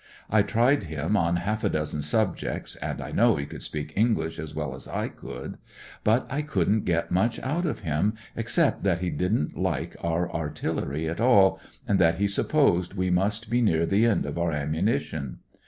I tried him on half a dozen subjects, and I know he could speak English as well as I could; but I couldn't get much out of him, except that he didn't Uke our artillery at aU, and that he supposed we must be near the end of our ammunition.